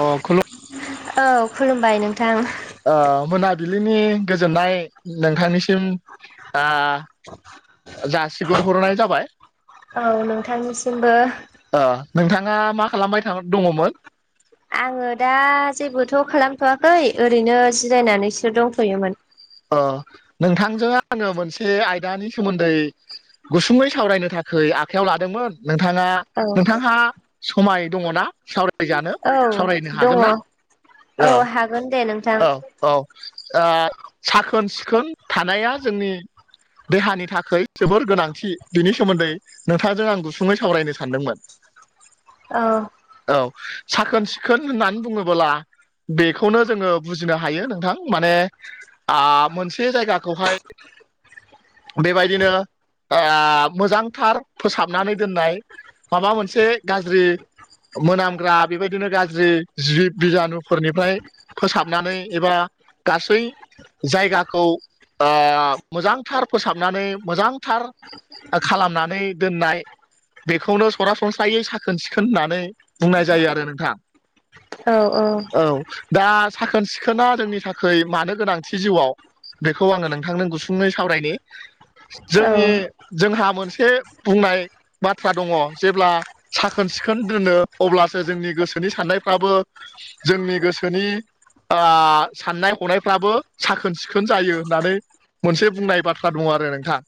ओ खु औ खुलुमबाय नोंथां मोनाबिलिनि गोजोननाय नोंथांनिसिम आ जासिगर हरनाय जाबाय औ नोंथांनिसिमबो नोंथाङा मा खालामबाय दङोमोन आङो दा जेबोथ' खालामथ'वाखै ओरैनो जिरायनानैसो दंथ'योमोन अ नोंथांजों ओ मोनसे आयदानि सोमोन्दै गुसुङै सावरायनो थाखाय आखायाव लादोंमोन नोंथाङा औ नोंथाङा समाय दङना सावराय जानो औ सावरायनो दङ हागोन ना औ हागोन दे नोंथां औ औ साखोन सिखोन थानाया जोंनि देहानि थाखाय जोबोर गोनांथि बिनि सोमोनदै नोंथांजों आं गुसुङै सावरायनो सानदोंमोन औ औ साखोन सिखोन होननानै बुङोबोला बेखौनो जोङो बुजिनो हायो नोंथां माने आ मोनसे जायगाखौहाय बेबायदिनो ओ मोजांथार फोसाबनानै दोननाय माबा मोनसे गाज्रि मोनामग्रा बेबायदिनो गाज्रि जि बिजानुफोरनिफ्राय फोसाबनानै एबा गासै जायगाखौ ओ मोजांथार फोसाबनानै मोजांथार खालामनानै दोननाय बेखौनो सरासनस्रायै साखोन सिखोन होननानै बुंनाय जायो आरो नोंथां औ औ औ दा साखोन सिखोना जोंनि थाखाय मानो गोनांथि जिउआव बेखौ आङो नोंथांनो गुसुंङै सावरायनि औ जोंनि जोंहा मोनसे बुंनाय बाथ्रा दङ जेब्ला साखोन सिखोन दोनो अब्लासो जोंनि गोसोनि साननायफ्राबो जोंनि गोसोनि आ साननाय हनाय फ्राबो साखोन सिखोन जायो होननानै मोनसे बुंनाय बाथ्रा दङ आरो नोंथां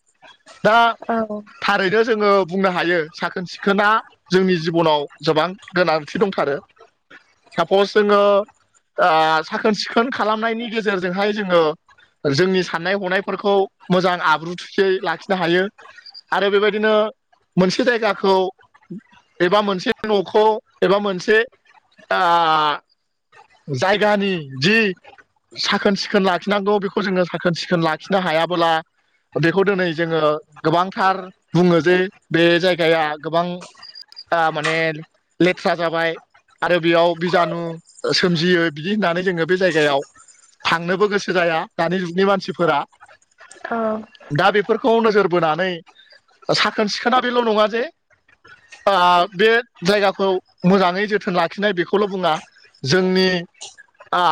दा औ ओरैनो जोङो बुंनो हायो साखोन सिखोना जोंनि जिबनाव गोबां गोनांथि दंथारो सापस जोङो आ साखोन सिखोन खालामनायनि गेजेरजोंहाय जोङो जोंनि साननाय हनायफोरखौ मोजां आब्रुथियै लाखिनो हायो आरो बेबायदिनो मोनसे जायगाखौ एबा मोनसे न'खौ एबा मोनसे जायगानि जि साखोन सिखोन लाखिनांगौ बेखौ जोङो साखोन सिखोन लाखिनो हायाबोला बेखौ दिनै जोङो गोबांथार बुङो जे बे जायगाया गोबां दा माने लेथ्रा जाबाय आरो बेयाव बिजानु सोमजियो बिदि होननानै जोङो बे जायगायाव थांनोबो गोसो जाया दानि जुगनि मानसिफोरा औ दा बेफोरखौ नोजोर बोनानै साखोन सिखोना बेल' नङा जे आ बे जायगाखौ मोजाङै जोथोन लाखिनाय बेखौल' बुङा जोंनि ओ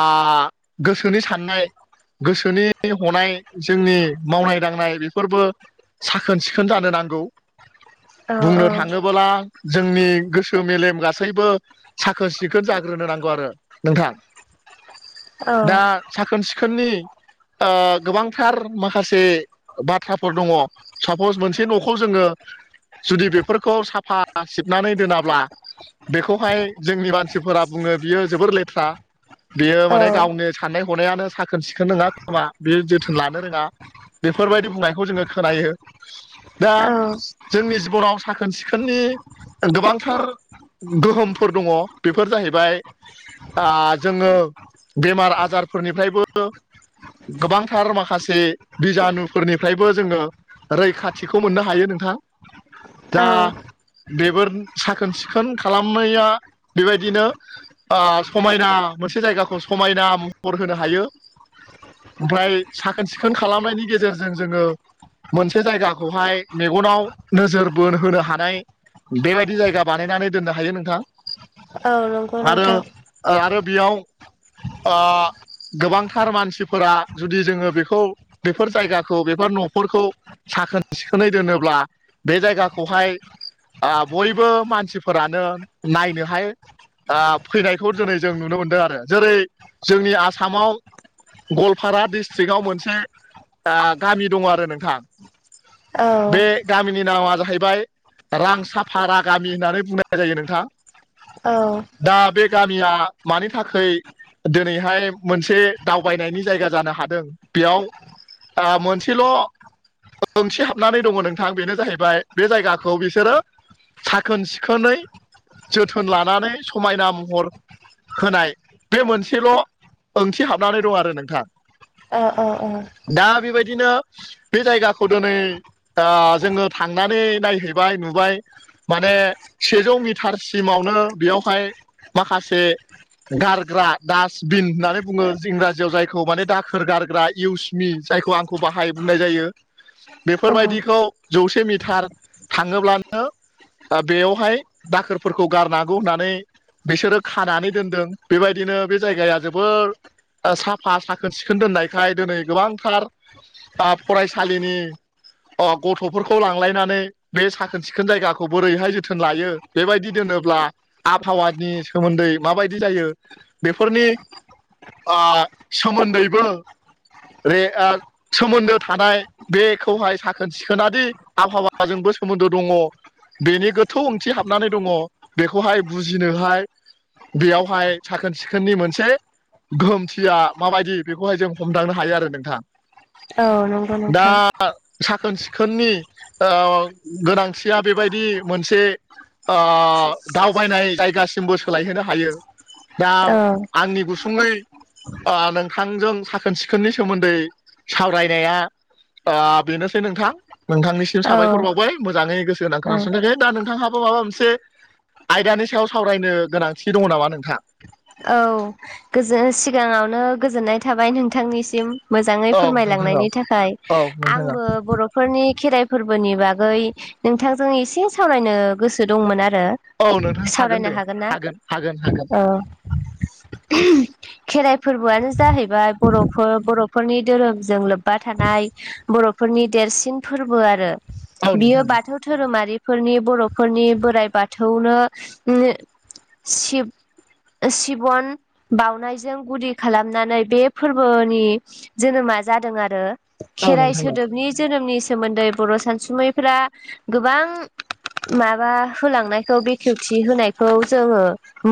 गोसोनि साननाय गोसोनि हनाय जोंनि मावनाय दांनाय बेफोरबो साखोन सिखोन जानो नांगौ औ बुंनो थाङोबोला जोंनि गोसो मेलेम गासैबो साखोन सिखोन जाग्रोनो नांगौ आरो नोंथां दा साखोन सिखोननि गोबांथार माखासे बाथ्राफोर दंङो सापज मोनसे न'खौ जोंङो जुदि बेफोरखौ साफा सिबनानै दोनाब्ला बेखौहाय जोंनि मानसिफोरा बुंङो बियो जोबोर लेथ्रा बियो माने गावनो साननाय हनायानो साखोन सिखोन नोङा खोमा बे जोथोन लानो रोंङा बेफोरबायदि बुंनायखौ जोंङो खोनायो दा औ जोंनि जिबनाव साखोन सिखोननि गोबांथार गोहोमफोर दङ बेफोर जाहैबाय जोंङो बेमार आजार बाजारफोरनिफ्रायबो गोबांथार माखासे बिजानुफोरनिफ्रायबो जोंङो रैखाथिखौ मोननो हायो नोंथां। दा औ बेफोर साखोन सिखोन खालामनाया बेबायदिनो समायना मोनसे जायगाखौ समायना महर होनो हायो। ओमफ्राय साखोन सिखोन खालामनायनि गेजेरजों जोंङो मोनसे जायगाखौहाय मेगनाव नोजोर बोन होनो हानाय बेबायदि जायगा बानायनानै दोननो हायो नोंथां। औ नंगौ आरो नोंथां आरो बेयाव ओ गोबांथार मानसिफोरा जुदि जोंङो बेखौ बेफोर जायगाखौ बेफोर न'फोरखौ साखोन सिखोनै दोनोब्ला बे जायगाखौहाय आ बयबो मानसिफोरानो नायनो हाय फैनायखौ दिनै जों नुनो मोनदों आरो जेरै जोंनि आसामाव गवालपारा डिस्ट्रिकआव मोनसे ओ गामि दंङो आरो नोंथां औ बे गामिनि नामा जाहैबाय रांसाफारा गामि होननानै बुंनाय जायो नोंथां। औ दा बे गामिया मानि थाखाय दिनैहाय मोनसे दावबायनायनि जायगा जानो हादों बेयाव ओ मोनसेल' ओंथि हाबनानै दंङो नोंथां बेनो जाहैबाय बे जायगाखौ बिसोरो साखोन सिखोनै जोथोन लानानै समायना महर होनाय बे मोनसेल' ओंथि हाबनानै दं आरो नोंथां। ओ ओ ओ दा बेबायदिनो बे जायगाखौ दिनै जोंङो थांनानै नायहैबाय नुबाय माने सेजौ मिटारसिमावनो बेयावहाय माखासे गारग्रा डास्टबिन होननानै बुङो इंराजियाव जायखौ माने दाखोर गारग्रा इउसमि जायखौ आंखौ बाहाय बुंनाय जायो। औ बेफोरबायदिखौ जौसे मिटार थाङोब्लानो दा बेयावहाय दाखोरफोरखौ गारनांगौ होननानै बिसोरो खानानै दोनदों बेबायदिनो बे जायगाया जो सोर साफा साखोन सिखोन दोननायखाय दिनै गोबांथार फरायसालिनि गथ'फोरखौ लांलायनानै बे साखोन सिखोन जायगाखौ बोरैहाय जोथोन लायो बेबायदि दोनोब्ला आबहावानि सोमोन्दै माबायदि जायो बेफोरनि ओ सोमोन्दैबो दे ओ सोमोन्दो थानाय बेखौहाय साखोन सिखोनाद आबहावाजोंबो सोमोन्दो दंङो। बेनि गोथौ ओंथि हाबनानै दंङो बेखौहाय बुजिनोहाय बेयावहाय साखोन सिखोननि मोनसे गोहोमथिया माबायदि बेखौहाय जों हमदांनो हायो आरो नोंथां। औ नंगौ दा नोंथां। साखोन सिखोननि गोनांथिया बेबायदि मोनसे ओ दावबायनाय जायगासिमबो सोलायहोनो हायो दा औ आंनि गु सुङै नोंथांजों साखोन सिखोननि सोमोन्दै सावरायनाया बेनोसै नोंथां नोंथांनिसिम औ साबायखर बावबाय मोजाङै गोसो होनानै औ खोनासंनाखै दा नोंथांहाबो माबा मोनसे आयदानि सायाव सावरायनो गोनांथि दङ नामा नोंथा औ गोजोन सिगाङावनो गोजोननाय थाबाय नोंथांनिसिम मोजाङै औ नोंथां औ फोरमायलांनायनि थाखाय औ नोंथां औ आंबो बर' फोरनि खेराइ फोरबोनि बागै नोंथांजों एसे सावरायनो गोसो दंमोन आरो औ नोंथां दे सावरायनो हागोन ना हागोन हागोन औ [unintelligible] खेराइ फोरबोयानो जाहैबाय बर'फोर बर'फोरनि धोरोमजों लोब्बा थानाय बर'फोरनि देरसिन फोरबो आरो औ बियो नोंथां बाथौ दोरोमारिफोरनि बर'फोरनि बोराइ बाथौनो सिब सिबन बाउनायजों गुदि खालामनानै बे फोरबोनि जोनोमा जादों आरो औ खेराइ नोंथां औ सोदोबनि जोनोमनि सोमोनदै बर' सानसुमैफोरा गोबां माबा होलांनायखौ बेखेवथि होनायखौ जोङो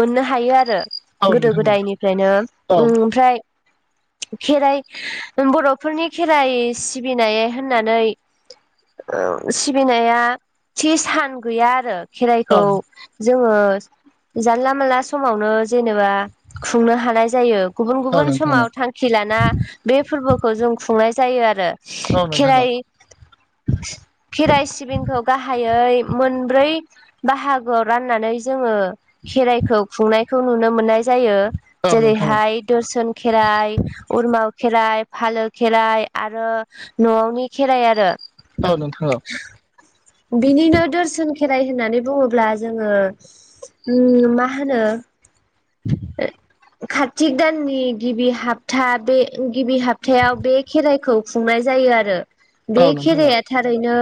मोननो हायो आरो औ नोंथां औ दायनिफ्रायनो औ ओमफ्राय खेराइ बर'फोरनि खेराइ सिबिनाय होननानै सिबिनाया थि सान गैया आरो। खेराइखौ जोङो जानला मोनला समावनो जेनेबा खुंनो हानाय जायो गुबुन औ गुबुन नोंथां औ समाव थां खि लाना बे फोरबोखौ जों खुंनाय जायो आरो औ खेराइ [inaudible] खेराइ सिबिंखौ गाहायै मोनब्रै बाहागोयाव राननानै जोङो खेराइखौ खुंनायखौ नुनो मोननाय जायो औ नोंथां औ नोंथां औ नोंथां औ जेरैहाय दोरसन खेराइ उरमाव खेराइ फालो खेराइ आरो न'आवनि खेराइ आरो औ नोंथां औ ए [unintelligible] बिनिनो दोरसोन खेराइ होननानै बुङोब्ला जोङो ओम मा होनो कार्तिक दाननि गिबि हपथा बे गिबि हपथायायाव बे खेराइखौ खुंनाय जायो आरो बे खेराया थारैनो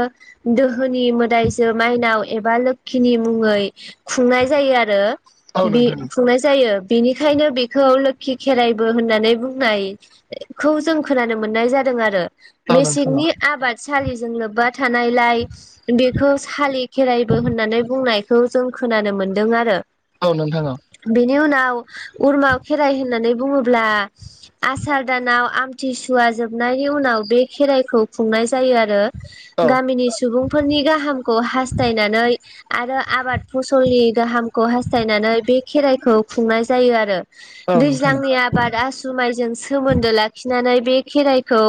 दो सोरगोनि मोदाइजो माइनाव एबा लोखिनि मुङै खुंनाय जायो आरो बि खुंनाय जायो बेनिखायनो बेखौ लोखि खेराइबो होननानै बुंनाय खौ जों खोनानो मोननाय जादों आरो मेसेंनि आबाद सालिजों लोबबा थानायलाय बेखौ सालि खेराइबो होननानै बुंनायखौ जों खोनानो मोनदों आरो औ नोंथा औ बेनि उनाव उरमाव खेराइ होननानै बुङोब्ला आसार दानाव आमथिसुवा जोबनायनि उनाव बे खेराइखौ खुंनाय जायो आरो गामिनि सुबुंफोरनि गाहामखौ हास्थायनानै आरो आबाद फसलनि गाहामखौ हासथायनानै बे खेराइखौ खुंनाय जायो आरो नोंथां दैज्लांनि आबाद आसु माइजों सोमोनदो लाखिनानै बे खेराइखौ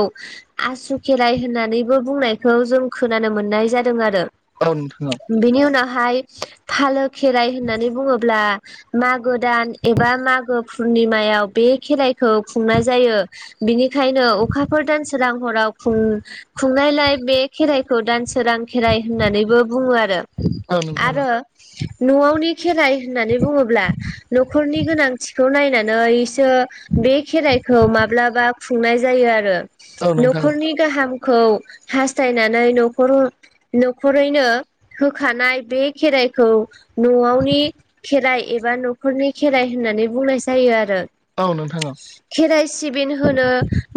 आसु खेराइ होननानैबो बुंनायखौ जों खोनानो मोननाय जादों आरो औ नोंथां औ बिनि उनावहाय फालो खेराइ होननानै बुङोब्ला मागो दान एबा मागो पुरनिमायाव बे खेराइखौ खुंनाय जायो बिनिखायनो अखाफोर दानसोरां हराव खुंनायलाय बे खेराइ खौ दानसोरां खेराइ होननानैबो बुङो आरो औ नोंथां औ आरो न'आवनि खेराइ होननानै बुङोब्ला न'खरनि गोनांथिखौ नायनानैसो बे खेराइखौ माब्लाबा खुंनाय जायो आरो न'खरनि गाहामखौ हास्थायनानै न'खरैनो होखानाय बे खेराइखौ न'आवनि खेराइ एबा न'खरनि खेराइ होननानै बुंनाय जायो आरो [inaudible] खेराइ सिबिन होनो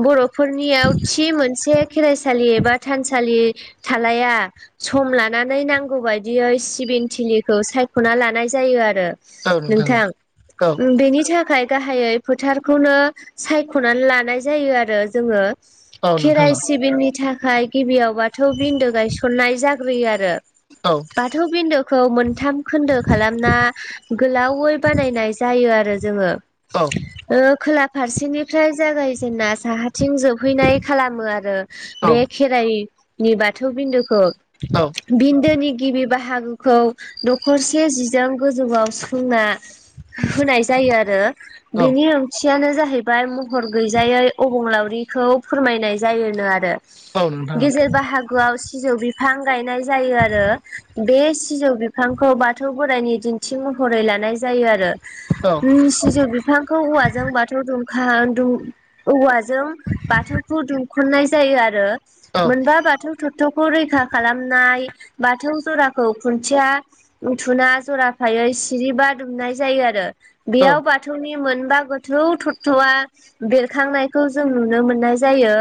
बर'फोरनियाव थि मोनसे खेराइसालि एबा थानसा सालि थालाया सम लानानै नांगौ बायदियै सिबिन थिलिखौ सायख'ना लानाय जायो आरो नोंथां बेनि थाखाय गाहायै फोथारखौनो सायख'नानै लानाय जायो आरो जोङो नोंथां खेराइ औ सिबिंनि थाखाय गिबियाव बाथौ बिन्दो गायसननाय जाग्रोयो आरो औ बाथौ बिनदोखौ मोनथाम खोनदो खालामना गोलावै बानायनाय जायो आरो जोङो औ' ओ खोला फारसेनिफ्राय जागायजेनना साहाथिं जोबहैनाय खालामो आरो औ बे खेराइनि बाथौ बिन्दुखौ औ बिन्दोनि गिबि बाहागोखौ नखरसे जिजों गोजौआव सोंना होनाय जायो आरो औ बेनि खियानो जाहैबाय महर गैजायै अबंलावरिखौ फोरमायनाय जायोनो आरो औ नोंथां गेजेर बाहागोआव सिजौ बिफां गायनाय जायो आरो बे सिजौ बिफांखौ बाथौ बोराइनि दिन्थि महरै लानाय जायो आरो औ सिजौ बिफांखौ औवाजों बाथौ दुमखा दुम औवाजों बाथौखौ दुंखननाय जायो आरो औ मोनबा बाथौ बाथौखौ रैखा खालामनाय बाथौ जराखौ खुन्थिया उथुना जराफायै सिरिबा दुमनाय जायो आरो औ बेयाव बाथौनि मोनबा गोथौ थ्थआ बेरखांनायखौ जों नुनो मोननाय जायो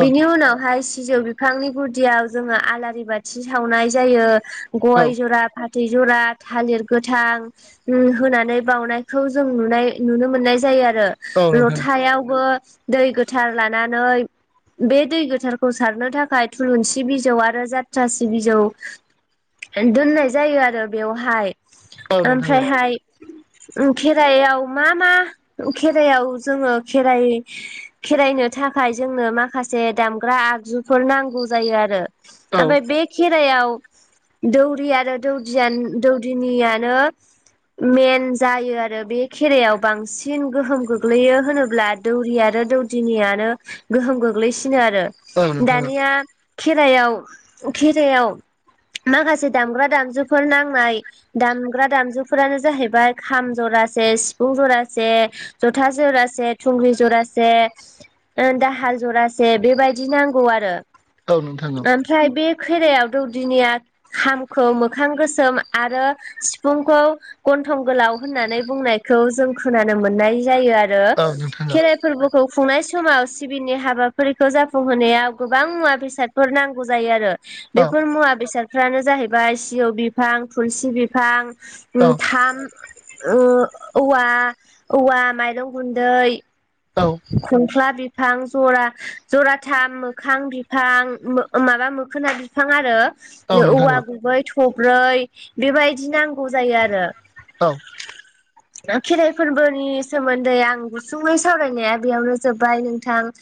बेनि उन उनावहाय सिजौ बिफांनि गुदियाव जोङो आलारि बाथि सावनाय जायो औ गय जरा फाथै जरा थालिर गोथां होनानै बावनायखौ जों नुनाय नुनो मोननाय जायो आरो औ नोंथां लथायावबो दै गोथार लानानै बे दै गो थारखौ सारनो थाखाय थुलुंसि बिजौ आरो जत्रासि बिजौ दोननाय जायो आरो बेवहाय औ नोंथां ओमफ्रायहाय खेराइआव मा मा खेराइायाव जोङो खेराइ खेराइनो थाखाय जोंनो माखासे दामग्रा आगजुफोर नांगौ जायो आरो औ ओमफ्राय बे खेराइायाव दौरि आरो दौदिय दौदिनियानो मेन जायो आरो बे खेरायाव बांसिन गोहोम गोग्लैयो होनोब्ला दौरि आरो दौदिनियानो गोहोम गोग्लैसिनो आरो औ नोंथां दानिया खेरायाव खेराइायाव माखासे दामग्रा दामजुफोर नांनाय दामग्रा दामजुफोरानो जाहैबाय खाम जरासे सिफुं जरासे जथा जरासे थुंग्रि जरासे दाहाल जरा से बेबायदि नांगौ आरो औ नोंथां औ ओमफ्राय बे खेरायाव दौदिनिया खामखौ मोखां गोसोम आरो सिफुंखौ गन्थं गोलाव होननानै बुंनायखौ जों खोनानो मोननाय जायो आरो औ नोंथां औ खेराइ फोरबोखौ खुंनाय समाव सिबिनि हाबा फोरखौ जाफुंहोनायाव गोबां मुवा बेसादफोर नांगौ जायो आरो औ बेफोर मुवा बेसाद फ्रानो जाहैबाय सिजौ बिफां थुलसि बिफां औ उम थाम उम औव औवा माइरं गुन्दै खंख्ला बिफां जरा जराथाम मोखां बिफां मो माबा मोखोना बिफां आरो औ नोंथां औवा गुबै थब्रै बेबायदि नांगौ जायो आरो औ खेराइ फोरबोनि सोमोन्दै आं गुसुङै सावरायनाया बेयावनो जोब्बाय नोंथां